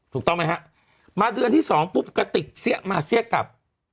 ถูกต้องไหมฮะมาเดือนที่สองปุ๊บกระติกเสี้ยมาเสี้ยกลับ